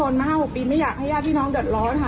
น้องก็ทนมา๕๖ปีไม่อยากให้ญาติพี่น้องเดินร้อนค่ะ